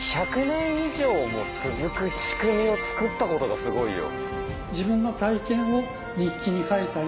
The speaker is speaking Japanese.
１００年以上も続く仕組みを作ったことがすごいよ。